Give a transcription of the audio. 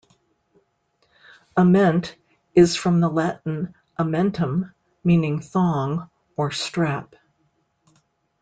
"Ament" is from the Latin "amentum", meaning "thong" or "strap".